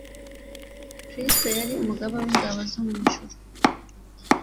Kristo yari umugaba w'ingabo zo mu ijuru;